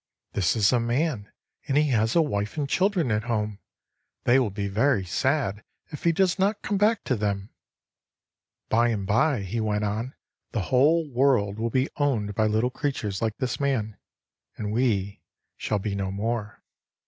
This is a man, and he has a wife and children at home. They will be very sad if he does not come back to them. "By and by," he went on, "the whole world will be owned by little creatures like this man, and we shall be no more."